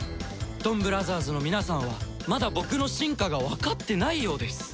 ドンブラザーズの皆さんはまだ僕の真価がわかってないようです